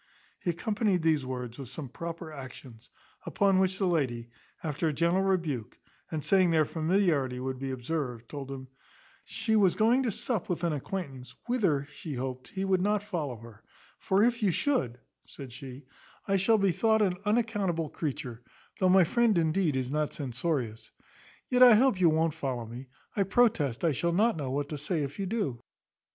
He accompanied these words with some proper actions; upon which the lady, after a gentle rebuke, and saying their familiarity would be observed, told him, "She was going to sup with an acquaintance, whither she hoped he would not follow her; for if you should," said she, "I shall be thought an unaccountable creature, though my friend indeed is not censorious: yet I hope you won't follow me; I protest I shall not know what to say if you do."